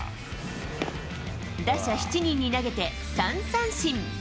打者７人に投げて、３三振。